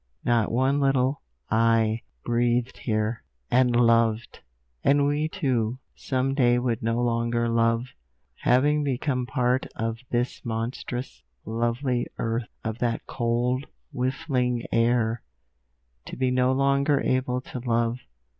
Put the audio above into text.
Not one little "I" breathed here, and loved! And we, too, some day would no longer love, having become part of this monstrous, lovely earth, of that cold, whiffling air. To be no longer able to love!